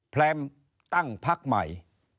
แรมตั้งพักใหม่